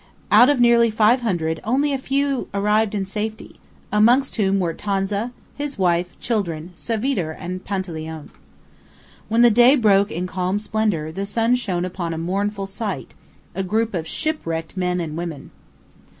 Out of nearly five hundred only a few arrived in safety, amongst whom were Tonza, his wife, children, Savitre, and Panteleone. When the day broke in calm splendor, the sun shown upon a mournful sight a group of shipwrecked men and women.